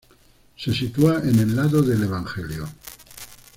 Se sitúa en el lado del evangelio.